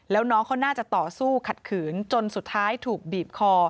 แล้วน้องเขาน่าจะต่อสู้ขัดขืนจนสุดท้ายถูกบีบคอ